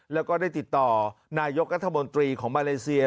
แล้วก็ได้ติดต่อนายกรัฐมนตรีของมาเลเซีย